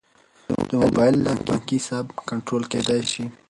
د موبایل له لارې بانکي حساب کنټرول کیدی شي.